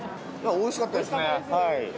おいしかったですね。